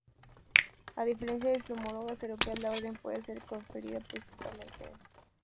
A diferencia de sus homólogas europeas, la orden puede ser conferida póstumamente.